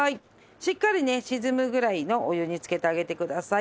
しっかりね沈むぐらいのお湯につけてあげてください。